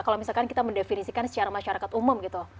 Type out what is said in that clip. kalau misalkan kita mendefinisikan secara masyarakat umum gitu